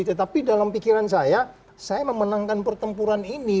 tetapi dalam pikiran saya saya memenangkan pertempuran ini